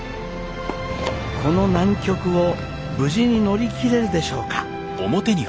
この難局を無事に乗り切れるでしょうか。